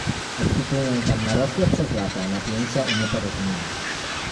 obfitują tam narosłe przez lata napięcia i nieporozumienia